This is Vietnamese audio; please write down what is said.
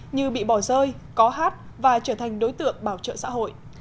như bị bỏ rơi có hát và trở thành đối tượng bảo trợ xã hội